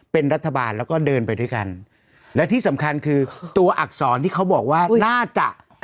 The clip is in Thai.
เป็นรัฐบาลแล้วก็เดินไปด้วยกันและที่สำคัญคือตัวอักษรที่เขาบอกว่าน่าจะ